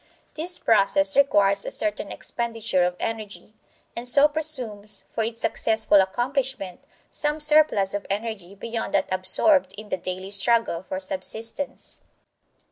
This process requires a certain expenditure of energy, and so presumes, for its successful accomplishment, some surplus of energy beyond that absorbed in the daily struggle for subsistence.